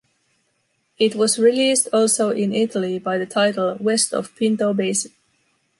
It was released also in Italy by the title “West of Pinto Basin”.